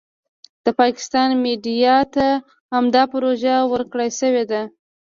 د پاکستان میډیا ته همدا پروژه ورکړای شوې ده.